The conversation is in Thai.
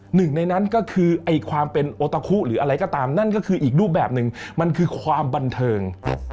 หนึ่งในนั้นก็คือไอ้ความเป็นโอตาคุหรืออะไรก็ตามนั่นก็คืออีกรูปแบบหนึ่งมันคือความบันเทิง